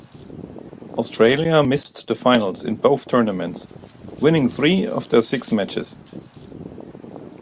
Australia missed the finals in both tournaments, winning three of their six matches.